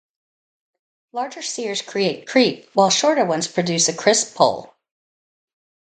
Larger sears create creep while shorter ones produce a crisp pull.